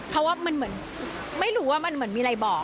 เพราะว่ามันเหมือนไม่รู้ว่ามันเหมือนมีอะไรบอก